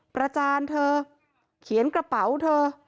ประจานเธอเขียนกระเป๋าเธอ